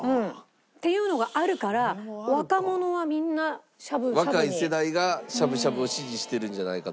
っていうのがあるから若い世代がしゃぶしゃぶを支持してるんじゃないかと。